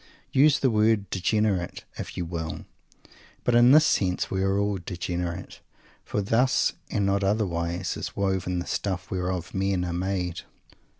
Use the word "degenerate" if you will. But in this sense we are all "degenerates" for thus and not otherwise is woven the stuff whereof men are made.